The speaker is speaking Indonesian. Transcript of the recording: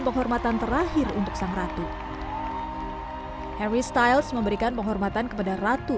penghormatan terakhir untuk sang ratu harry styles memberikan penghormatan kepada ratu